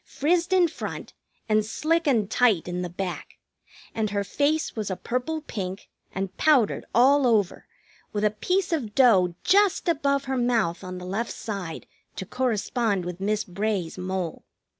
Frizzed in front, and slick and tight in the back; and her face was a purple pink, and powdered all over, with a piece of dough just above her mouth on the left side to correspond with Miss Bray's mole.